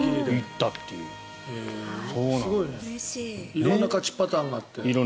色んな勝ちパターンがあって。